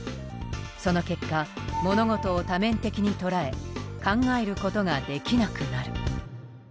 その結果物事を多面的に捉え考えることができなくなる。